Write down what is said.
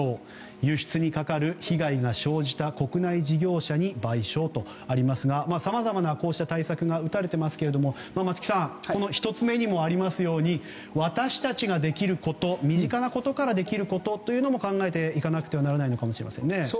輸出にかかる被害が生じた国内事業者に賠償とありますがさまざまなこうした対策が打たれていますけれども松木さん、１つ目にもありますが私たちができること身近なことからできることというのを考えていかなくてはならないのかもしれませんね。